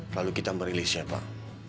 lalu kita merilisnya pak